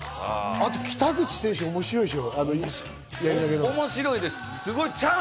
あと北口選手、面白いでしょ？